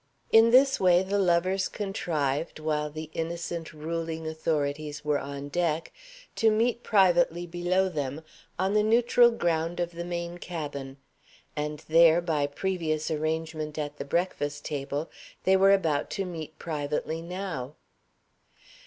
In this way the lovers contrived, while the innocent ruling authorities were on deck, to meet privately below them, on the neutral ground of the main cabin; and there, by previous arrangement at the breakfast table, they were about to meet privately now.